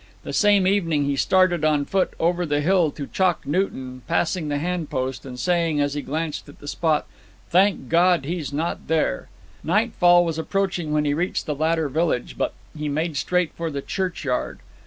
The same evening he started on foot over the hill to Chalk Newton, passing the hand post, and saying as he glanced at the spot, 'Thank God: he's not there!' Nightfall was approaching when he reached the latter village; but he made straight for the churchyard.